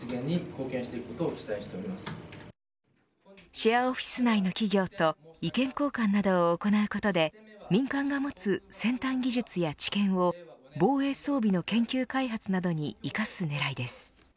シェアオフィス内の企業と意見交換などを行うことで民間が持つ先端技術や知見を防衛装備の研究開発などに生かす狙いです。